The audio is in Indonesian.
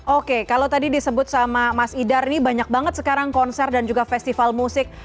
oke kalau tadi disebut sama mas idar ini banyak banget sekarang konser dan juga festival musik